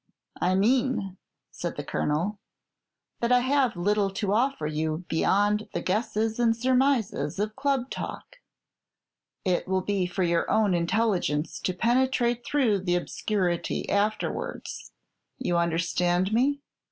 "I mean," said the Colonel, "that I have little to offer you beyond the guesses and surmises of club talk. It will be for your own intelligence to penetrate through the obscurity afterwards. You understand me?"